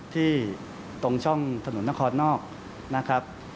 ที่ตรงช่องถนนนครนอกนะครับ